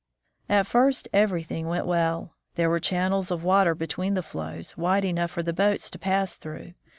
At first everything went well. There were channels of water between the floes, wide enough for the boats to pass through.